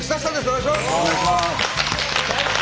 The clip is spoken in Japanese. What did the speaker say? お願いします。